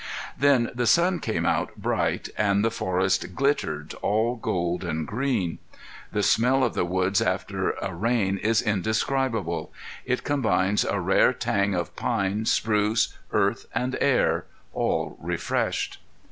Then the sun came out bright and the forest glittered, all gold and green. The smell of the woods after a rain is indescribable. It combines a rare tang of pine, spruce, earth and air, all refreshed.